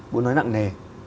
bố nói nặng nề